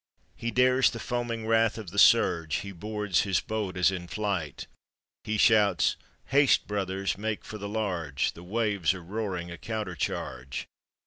He dares the foaming wrath of the surge, He boards his boat as in flight, He shouts: "Haste, brothers, make for the large!" The waves are roaring a countercharge.